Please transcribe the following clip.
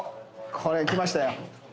これ来ましたよ。